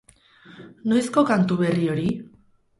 Noizko kantu berri hori?